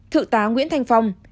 thự tá nguyễn thành phong